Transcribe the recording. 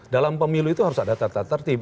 dalam pemilu itu harus ada tata tertib